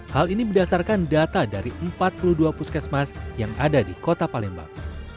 hal ini berdasarkan data dari empat puluh dua puskesmas yang ada di kota palembang